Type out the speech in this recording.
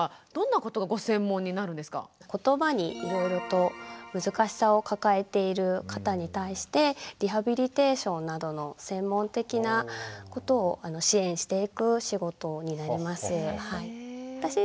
ことばにいろいろと難しさを抱えている方に対してリハビリテーションなどの専門的なことを支援していく仕事になります。